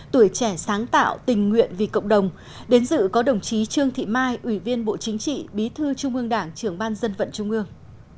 tuổi trẻ sáng tạo tình nguyện vì cộng đồng đến dự có đồng chí trương thị mai ủy viên bộ chính trị bí thư trung ương đảng trưởng ban dân vận trung ương